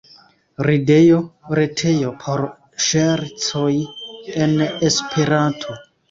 Ridejo, retejo por ŝercoj en Esperanto.